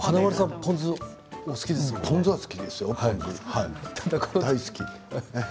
ポン酢は好きですよ大好き。